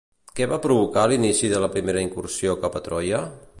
Què va provocar l'inici de la primera incursió cap a Troia?